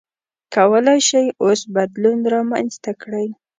کولای شئ اوس بدلون رامنځته کړئ.